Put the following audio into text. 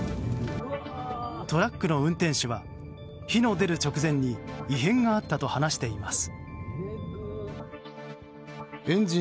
トラックの運転手は火の出る直前に異変があったと話しています。